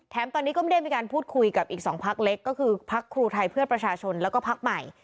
ตอนนี้ก็ไม่ได้มีการพูดคุยกับอีก๒พักเล็กก็คือพักครูไทยเพื่อประชาชนแล้วก็พักใหม่